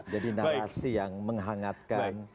jadi narasi yang menghangatkan